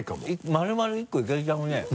丸々１個いけちゃうね。